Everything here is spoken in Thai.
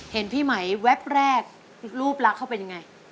เห็นพี่หมายแวบแรกรูปรักเขาเป็นอย่างไร